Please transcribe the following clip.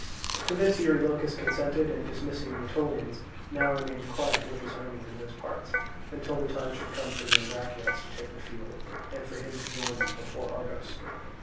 To this Eurylochus consented, and dismissing the Aetolians, now remained quiet with his army in those parts, until the time should come for the Ambraciots to take the field, and for him to join them before Argos.